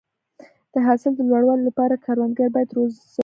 د حاصل د لوړوالي لپاره کروندګر باید روزنه ترلاسه کړي.